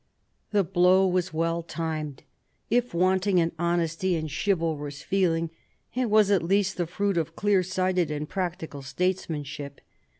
The blow was well timed. If wanting in honesty and chivalrous feeling, it was at least the fruit of clear sighted and practical statesmanship.